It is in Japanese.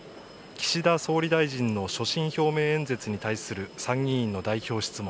岸田総理大臣の所信表明演説に対する参議院の代表質問